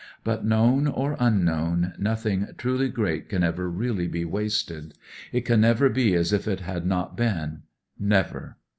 But, known or unknown, nothmg truly great can ever reaUy be wasted. It can never be as if it had not been. Never.